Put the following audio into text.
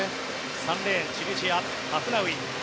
３レーンチュニジア、ハフナウイ。